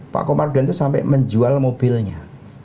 pak komarudin itu sampai menjual mobilnya